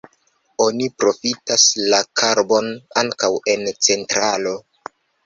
Oni profitas la karbon ankaŭ en centralo.